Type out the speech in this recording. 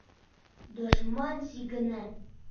Дошман сигенә.